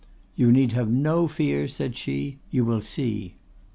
"'You need have no fears,' said she; 'you will see.